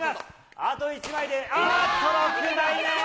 あと１枚で、あっと、６枚目。